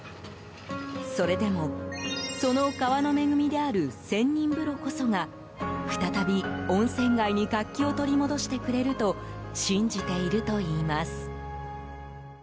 それでも、その川の恵みである仙人風呂こそが再び温泉街に活気を取り戻してくれると信じているといいます。